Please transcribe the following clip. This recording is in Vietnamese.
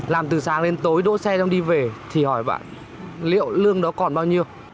làm từ sáng đến tối đỗ xe trong đi về thì hỏi bạn liệu lương đó còn bao nhiêu